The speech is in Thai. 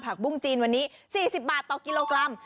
ปุ้งจีนวันนี้๔๐บาทต่อกิโลกรัม